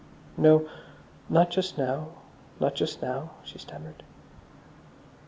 "No, not just now. Not just now," she stammered.